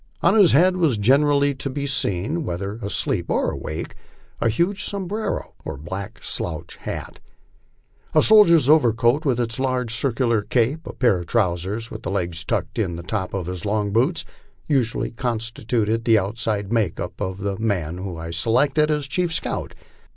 On his head was generally to be seen, whether asleep or awake, a huge sombrero or black slouch hat. A soldier's overcoat with its large circular cape, a pair of trousers with the legs tucked in the top of his long boots, usually constituted the outside make up of the man whom I selected at chief scout.